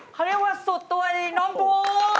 เขาเรียกว่าสูตรตัวน้องฟู